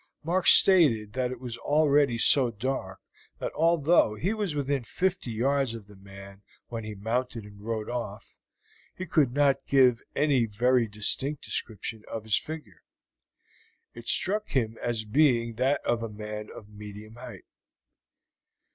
Mark stated that it was already so dark that although he was within fifty yards of the man when he mounted and rode off, he could not give any very distinct description of his figure. It struck him as being that of a man of medium height.